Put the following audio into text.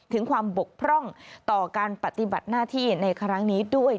ถึงความบกพร่องต่อการปฏิบัติหน้าที่ในครั้งนี้ด้วย